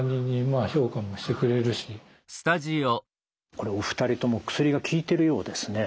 これお二人とも薬が効いてるようですね。